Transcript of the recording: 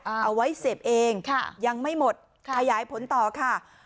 เอาไว้เสพเองค่ะยังไม่หมดค่ะขยายผลต่อค่ะ